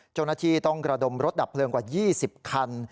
เจ้าหน้าที่ต้องระดมรถดับเพลิงกว่า๒๐คัน